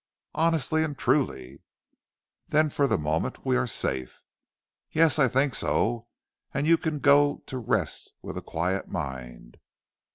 "Honestly and truly!" "Then for the moment we are safe." "Yes! I think so; and you can go to rest with a quiet mind."